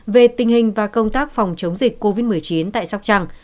về tình hình và công tác phòng chống dịch covid một mươi chín tại sóc trăng